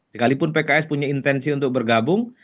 sekalipun pks punya intensi untuk bergabung